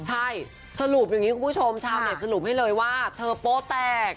ใช่สรุปอย่างนี้คุณผู้ชมชาวเน็ตสรุปให้เลยว่าเธอโป๊แตก